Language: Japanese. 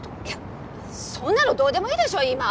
いやそんなのどうでもいいでしょ今！